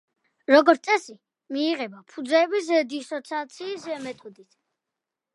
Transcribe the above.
როგორც წესი მიიღება ფუძეების დისოციაციის მეთოდით.